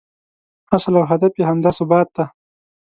اصل او هدف یې همدا ثبات دی.